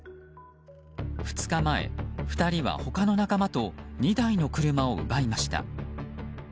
２日前、２人は他の仲間と２台の車を奪いました。